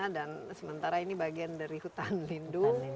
dan sementara ini bagian dari hutan lindung